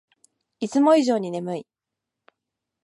いつも以上に眠い